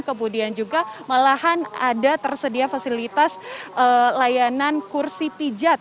kemudian juga malahan ada tersedia fasilitas layanan kursi pijat